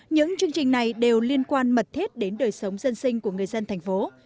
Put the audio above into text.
những chương trình này đều liên quan mật thiết đến đời sống dân sinh của người dân thành phố